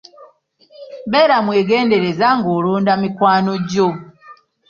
Beera mwegendereza ng'olonda mikwano gyo.